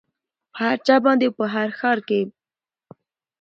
په هر چا باندې او په هر ښار کې